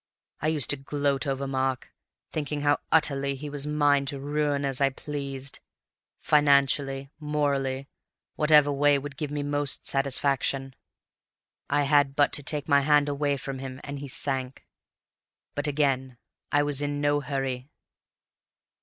I used to gloat over Mark, thinking how utterly he was mine to ruin as I pleased, financially, morally, whatever way would give me most satisfaction. I had but to take my hand away from him and he sank. But again I was in no hurry.